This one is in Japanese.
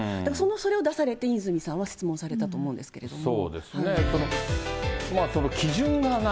それを出されて泉さんは質問されたと思うんですけれども。